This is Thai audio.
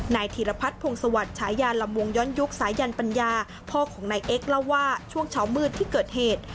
ธีรพัฒน์พงศวรรคฉายาลำวงย้อนยุคสายันปัญญาพ่อของนายเอ็กซเล่าว่าช่วงเช้ามืดที่เกิดเหตุ